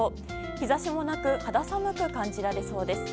日ざしもなく、肌寒く感じられそうです。